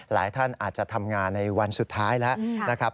หลายท่านอาจจะทำงานในวันสุดท้ายแล้วนะครับ